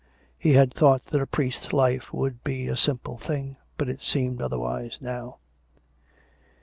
He had thought that a priest's life would be a simple thing, but it seemed otherwise now.